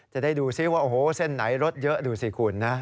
จะได้ดูซิว่าโอ้โหเส้นไหนรถเยอะดูสิคุณนะ